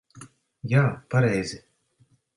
Jā, pareizi.